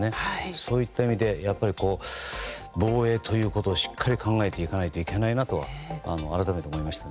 そういった意味で防衛ということをしっかり考えていかないといけないなということを改めて思いましたね。